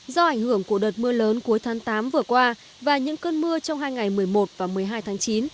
do ảnh hưởng của đợt mưa lớn cuối tháng tám vừa qua và những cơn mưa trong hai ngày một mươi một và một mươi hai tháng chín